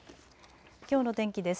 きょうの天気です。